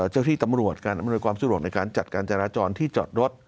เจ้าที่ตำรวจการอำนวยความสะดวกในการจัดการจราจรที่จอดรถ